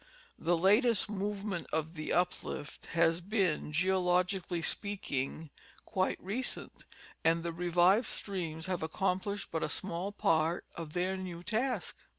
The latest movement of the uplift has been, geologically speaking, quite recent, and the revived streams have accomplished but a small part of their new task.